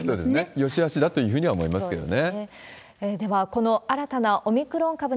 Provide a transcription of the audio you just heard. よしあしだというふうには思いますけれどもね。